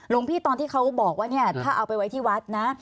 หลวงพี่ตอนที่เขาบอกว่าเนี่ยถ้าเอาไปไว้ที่วัดนะ